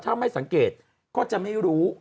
ถ้าไม่สังเกตก็จะไม่รู้